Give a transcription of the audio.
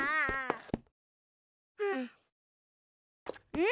うん？